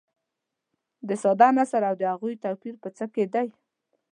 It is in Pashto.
د ساده نثر او هغوي توپیر په څه کې دي.